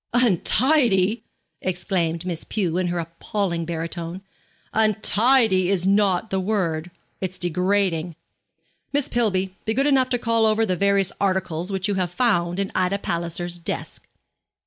'Untidy!' exclaimed Miss Pew, in her appalling baritone; 'untidy is not the word. It's degrading. Miss Pillby, be good enough to call over the various articles which you have found in Ida Palliser's desk.'